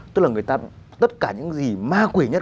tức là người ta tất cả những gì ma quỷ nhất